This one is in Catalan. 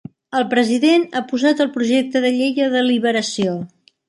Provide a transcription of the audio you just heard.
El president ha posat el projecte de llei a deliberació.